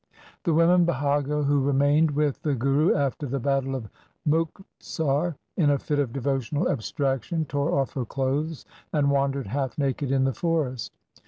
The woman Bhago who remained with the Guru after the battle of Muktsar, in a fit of devotional abstraction tore off her clothes and wandered half naked in the forest.